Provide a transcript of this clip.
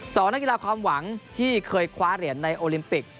นักกีฬาความหวังที่เคยคว้าเหรียญในโอลิมปิก